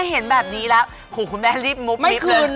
ถ้าเห็นแบบนี้แล้วคุณแม่รีบมุบเลย